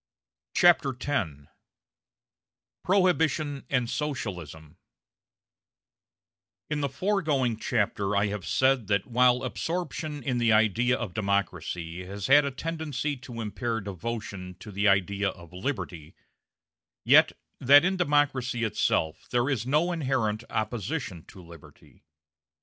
CHAPTER X PROHIBITION AND SOCIALISM In the foregoing chapter I have said that while absorption in the idea of democracy has had a tendency to impair devotion to the idea of liberty, yet that in democracy itself there is no inherent opposition to liberty.